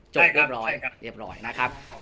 ใช่ครับใช่ครับเรียบร้อยเรียบร้อยนะครับ